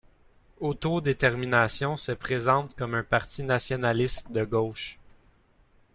Autodétermination se présente comme un parti nationaliste de gauche.